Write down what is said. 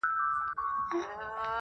o هنر خاموش زر پرستي وه پکښې,